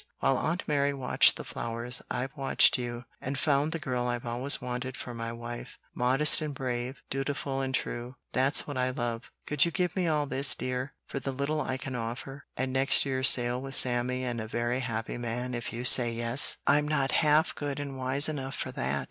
While Aunt Mary watched the flowers, I've watched you, and found the girl I've always wanted for my wife. Modest and brave, dutiful and true, that's what I love; could you give me all this, dear, for the little I can offer, and next year sail with Sammy and a very happy man if you say yes?" "I'm not half good and wise enough for that!